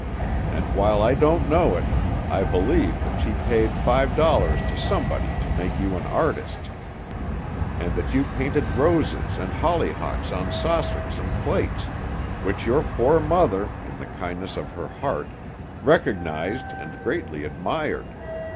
And while I don't know it, I believe that she paid five dollars to somebody to make you a artist, and that you painted roses and holly hocks on saucers and plates, which your poor mother, in the kindness of her heart, recognized, and greatly admired.